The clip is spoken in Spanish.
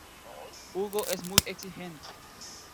Hugo es muy exigente.